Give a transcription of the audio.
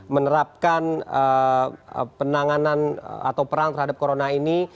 menerapkan penanganan atau perang terhadap corona ini